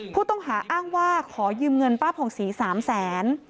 ผู้ต้องหาอ้างว่าขอยืมเงินป้าผ่องศรี๓แสน